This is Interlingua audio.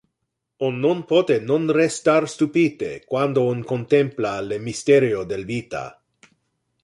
On non pote non restar stupite quando on contempla le mysterio del vita.